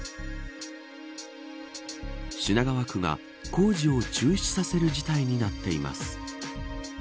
品川区が工事を中止させる事態になっています。